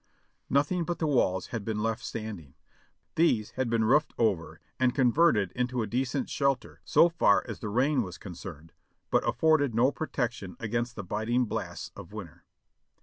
Noth ing but the walls had been left standing; these had been roofed over, and converted into a decent shelter so far as the rain was concerned, but afforded no protection against the biting blasts of winter.